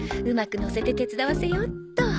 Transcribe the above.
うまくのせて手伝わせようっと